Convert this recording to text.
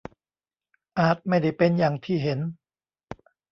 อาจไม่ได้เป็นอย่างที่เห็น